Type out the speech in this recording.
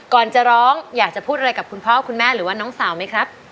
ก่อนจะร้องอยากจะพูดอะไรกับคุณพ่อคุณแม่หรือว่าน้องสาวไหมครับ